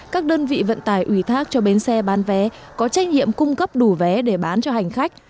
các đơn vị vận tải ủy thác cho bến xe bán vé có trách nhiệm cung cấp đủ vé để bán cho hành khách